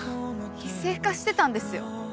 異性化してたんですよ。